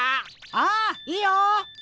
ああいいよ！